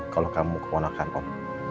kalau kamu kemonakan om